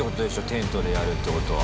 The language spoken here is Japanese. テントでやるってことは。